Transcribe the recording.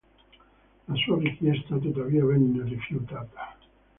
La sua richiesta tuttavia venne rifiutata.